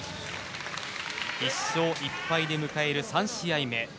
１勝１敗で迎える３試合目。